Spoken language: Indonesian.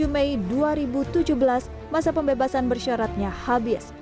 dua puluh mei dua ribu tujuh belas masa pembebasan bersyaratnya habis